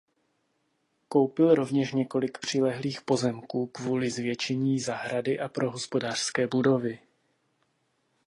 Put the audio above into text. Koupil rovněž několik přilehlých pozemků kvůli zvětšení zahrady a pro hospodářské budovy.